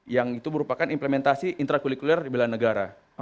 yang itu merupakan implementasi intrakulikuler bela negara